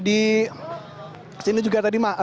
di sini juga tadi